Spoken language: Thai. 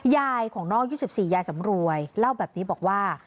ยายของน้อง๒๔ยายสำรวยเล่าแบบนี้บอกว่า